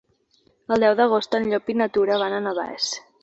El deu d'agost en Llop i na Tura van a Navès.